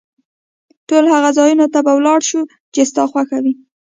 ټولو هغو ځایونو ته به ولاړ شو، چي ستا خوښ وي.